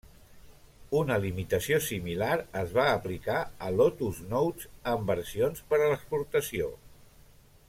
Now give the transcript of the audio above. Una limitació similar es va aplicar a Lotus Notes en versions per a l'exportació.